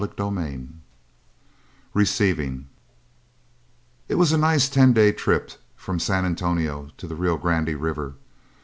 CHAPTER II RECEIVING It was a nice ten days' trip from the San Antonio to the Rio Grande River.